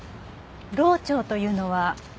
漏調というのは？